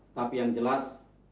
tapi yang jelas